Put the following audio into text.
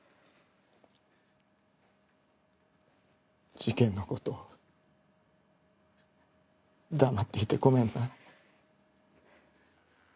事件の事黙っていてごめんな。